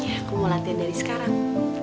aku mau latihan dari sekarang